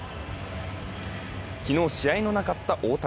昨日、試合のなかった大谷。